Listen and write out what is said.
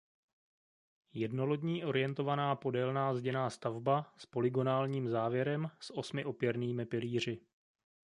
Jednolodní orientovaná podélná zděná stavba s polygonálním závěrem s osmi opěrnými pilíři.